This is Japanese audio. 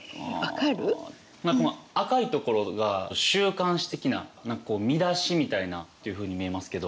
赤いところが週刊誌的な何かこう見出しみたいなというふうに見えますけど。